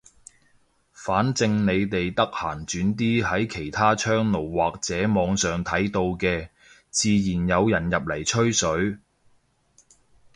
反正你哋得閒轉啲喺其他窗爐或者網上睇到嘅，自然有人入嚟吹水。